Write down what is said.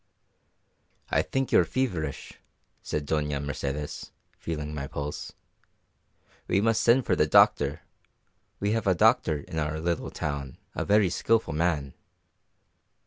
"I think you are feverish," said Doña Mercedes, feeling my pulse. "We must send for the doctor we have a doctor in our little town, a very skilful man."